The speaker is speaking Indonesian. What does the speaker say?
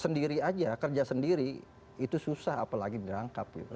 sendiri aja kerja sendiri itu susah apalagi dirangkap gitu